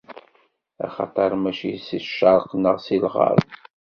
Axaṭer, mačči si ccerq neɣ si lɣerb.